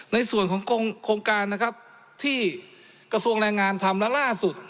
ในส่วนของโครงการนะครับที่กระทรวงแรงงานทำและล่าสุด